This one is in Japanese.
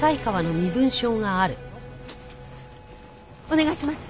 お願いします。